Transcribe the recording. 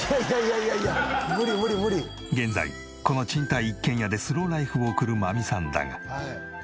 現在この賃貸一軒家でスローライフを送る真実さんだが。